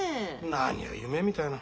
何を夢みたいな。